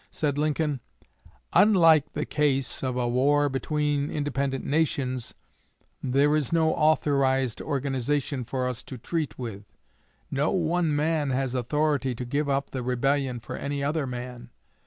Said Lincoln: "Unlike the case of a war between independent nations, there is no authorized organization for us to treat with. No one man has authority to give up the rebellion for any other man.